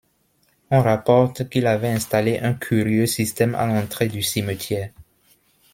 On rapporte qu’il avait installé un curieux système à l’entrée du cimetière.